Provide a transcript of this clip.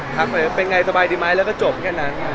เป็นไงสบายดีไหมแล้วก็จบแค่นั้น